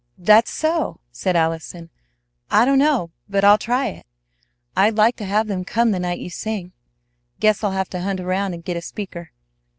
"That's so!" said Allison. "I don't know but I'll try it. I'd like to have them come the night you sing. Guess I'll have to hunt around and get a speaker.